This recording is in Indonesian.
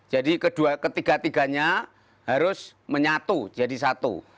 ketiga tiganya harus menyatu jadi satu